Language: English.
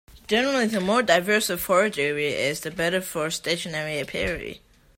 Generally, the more diverse a forage area is, the better for a stationary apiary.